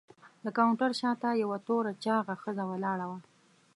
د کاونټر شاته یوه توره چاغه ښځه ولاړه وه.